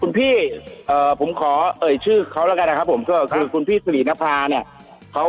คุณติเล่าเรื่องนี้ให้ฟังหน่อยครับมันเป็นหมายยังไงฮะ